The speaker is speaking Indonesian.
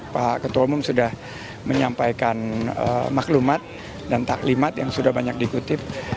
pak ketua umum sudah menyampaikan maklumat dan taklimat yang sudah banyak dikutip